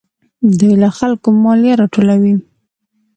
دوی له خلکو مالیه راټولوي.